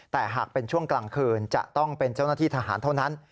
แต่หากเป็นช่วงกลางคืนจะต้องเป็นเจ้าหน้าที่ทหารเท่านั้น